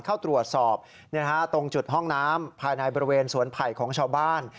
เข้าตรวจสอบตรงจุดห้องน้ำภายในบริเวณสวนไผ่ของชาวบ้าน